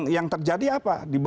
yang terjadi apa